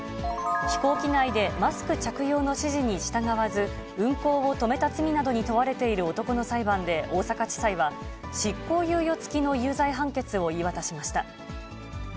飛行機内でマスク着用の指示に従わず、運航を止めた罪などに問われている男の裁判で、大阪地裁は、執行猶予付きの有罪判決を言い渡しました。